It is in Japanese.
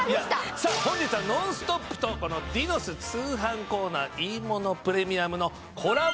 さあ本日は『ノンストップ！』とこのディノス通販コーナー「いいものプレミアム」のコラボ